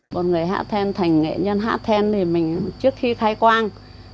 một người hạ then thành nghệ nhân hạ then trước khi khai quang